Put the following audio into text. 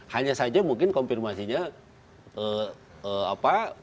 hanya saja mungkin konfirmasinya apa